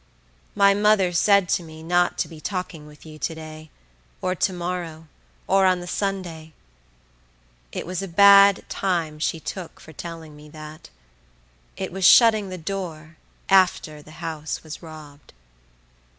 My mother said to me not to be talking with you to day, or to morrow, or on the Sunday; it was a bad time she took for telling me that; it was shutting the door after the house was robbed.